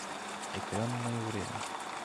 Экранное время